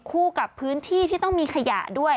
คู่กับพื้นที่ที่ต้องมีขยะด้วย